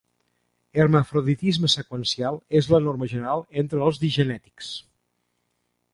Hermafroditisme seqüencial és la norma general entre els digenètics.